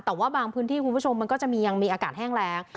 แต่ว่าบางพื้นที่คุณผู้ชมมันก็จะมีอากาศแห้งแรง